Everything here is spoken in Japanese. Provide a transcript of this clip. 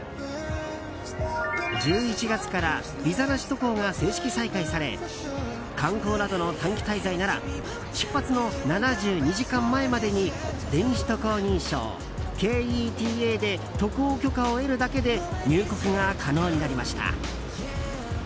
１１月からビザなし渡航が正式再開され観光などの短期滞在なら出発の７２時間前までに電子渡航認証・Ｋ‐ＥＴＡで渡航許可を得るだけで入国が可能になりました。